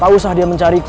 tak usah dia mencariku